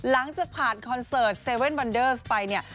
หลังจากผ่านคอนเสิร์ต๗๑๑วันเดอร์สไปเนี่ย